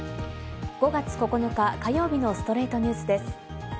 ５月９日、火曜日の『ストレイトニュース』です。